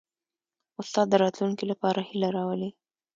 استاد د راتلونکي لپاره هیله راولي.